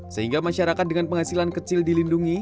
sehingga masyarakat dengan penghasilan kecil dilindungi